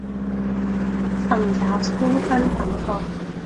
尋找清新感覺